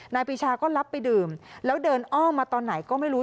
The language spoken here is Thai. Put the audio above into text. ปีชาก็รับไปดื่มแล้วเดินอ้อมมาตอนไหนก็ไม่รู้